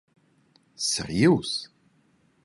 Serius?